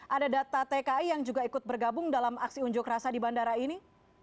ada data tki yang juga ikut bergabung dalam aksi unjuk rasa di bandara ini